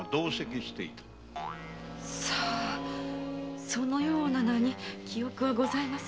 さあそのような名に記憶はございませんが。